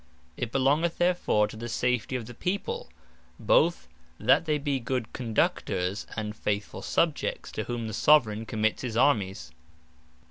It belongeth therefore to the safety of the People, both that they be good Conductors, and faithfull subjects, to whom the Soveraign Commits his Armies.